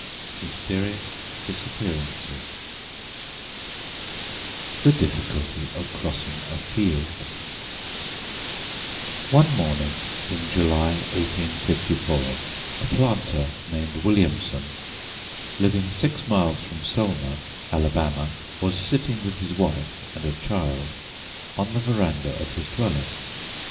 "MYSTERIOUS DISAPPEARANCES" THE DIFFICULTY OF CROSSING A FIELD ONE morning in July, 1854, a planter named Williamson, living six miles from Selma, Alabama, was sitting with his wife and a child on the veranda of his dwelling.